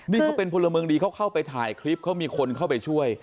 นี่เขาเป็นพลเมืองดีเขาเข้าไปถ่ายคลิปเขามีคนเข้าไปช่วย